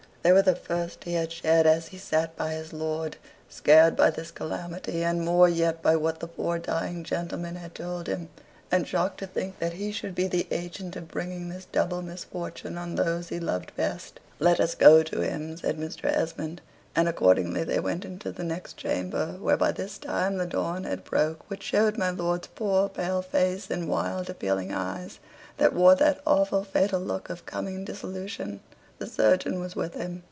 They were the first he had shed as he sat by his lord, scared by this calamity, and more yet by what the poor dying gentleman had told him, and shocked to think that he should be the agent of bringing this double misfortune on those he loved best. "Let us go to him," said Mr. Esmond. And accordingly they went into the next chamber, where by this time, the dawn had broke, which showed my lord's poor pale face and wild appealing eyes, that wore that awful fatal look of coming dissolution. The surgeon was with him.